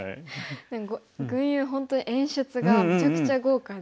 群遊本当に演出がめちゃくちゃ豪華で。